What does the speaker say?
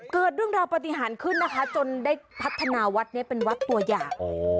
เกิดเรื่องราวปฏิหารขึ้นนะคะจนได้พัฒนาวัดนี้เป็นวัดตัวอย่าง